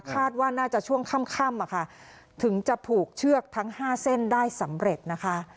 คาดว่าน่าจะช่วงค่ำถึงจะผูกเชือกทั้ง๕เส้นได้สำเร็จนะคะ